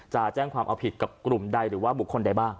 จะแจ้งความเอาผิดกับกลุ่มใดหรือว่าบุคคลใดบ้าง